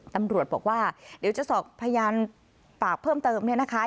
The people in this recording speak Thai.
ตำรวจบอกว่าเดี๋ยวจะสอบพยานปากเพิ่มเติมเนี่ยนะคะ